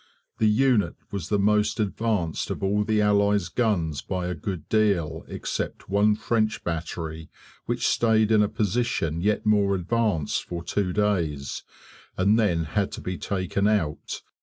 The unit was the most advanced of all the Allies' guns by a good deal except one French battery which stayed in a position yet more advanced for two days, and then had to be taken out.